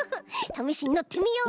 ためしにのってみよう。